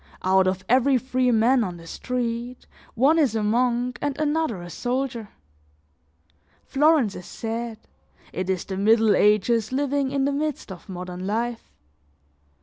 Out of every three men on the street, one is a monk and another a soldier. Florence is sad, it is the Middle Ages living in the midst of modern life.